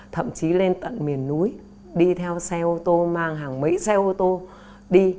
thậm chí lên tận miền núi đi theo xe ô tô mang hàng mấy xe ô tô đi